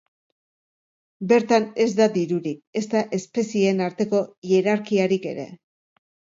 Bertan ez da dirurik, ezta espezieen arteko hierarkiarik ere.